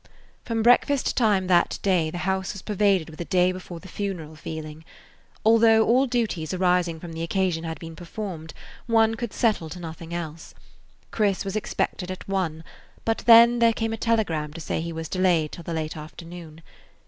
From breakfast time that day the house was pervaded with a day before the funeral feeling. Although all duties arising from the occasion had been performed, one could settle to nothing else. Chris was expected at one, but then there came a telegram to say he was delayed till the late afternoon.